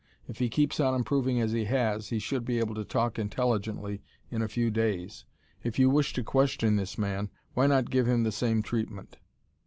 If he keeps on improving as he has, he should be able to talk intelligently in a few days. If you wish to question this man, why not give him the same treatment?"